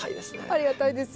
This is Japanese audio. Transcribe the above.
ありがたいですよ。